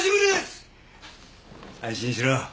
安心しろ。